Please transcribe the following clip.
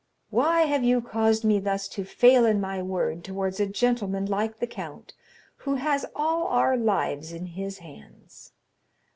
"Why have you caused me thus to fail in my word towards a gentleman like the count, who has all our lives in his hands?